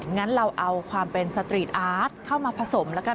งั้นเราเอาความเป็นสตรีทอาร์ตเข้ามาผสมแล้วกัน